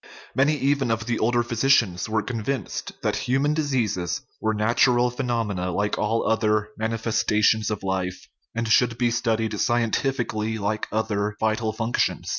Many even of the older physicians were convinced that human diseases were natural phe nomena, like all other manifestations of life, and should be studied scientifically, like other vital functions.